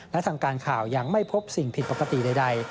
และทางการข่าวยังไม่พบสิ่งผิดปกติใด